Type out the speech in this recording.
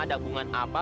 ada hubungan apa